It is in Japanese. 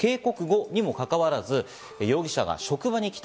警告後にもかかわらず容疑者が職場に来た。